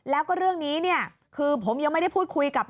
แล้วก็เรื่องนี้เนี่ยคือผมยังไม่ได้พูดคุยกับ